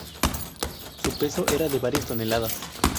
Su peso era de varias toneladas.